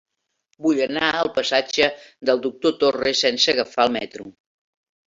Vull anar al passatge del Doctor Torres sense agafar el metro.